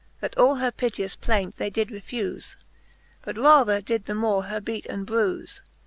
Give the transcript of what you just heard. That all her piteous plaint they did refufe. And rather did the more her beate and brufe.